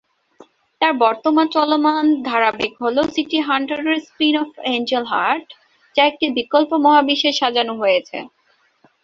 তার বর্তমান চলমান ধারাবাহিক হল সিটি হান্টারের স্পিন-অফ অ্যাঞ্জেল হার্ট, যা একটি বিকল্প মহাবিশ্বে সাজানো হয়েছে।